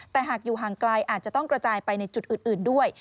แต่หากอยู่ห่างไกลอาจจะต้องกระจายไปในจุดอื่นด้วย